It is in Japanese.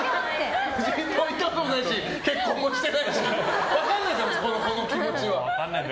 無人島行ったこともないし結婚もしてないし分からないだろ、この気持ちは。